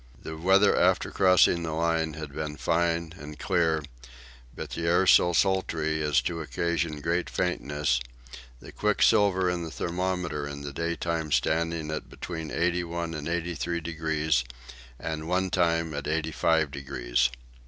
The weather after crossing the Line had been fine and clear, but the air so sultry as to occasion great faintness, the quicksilver in the thermometer in the daytime standing at between 81 and 83 degrees, and one time at 85 degrees.